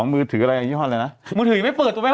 ๒มื้อถืออะไรมือถือยังไม่เปิดเลย